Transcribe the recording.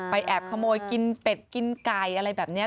แอบขโมยกินเป็ดกินไก่อะไรแบบนี้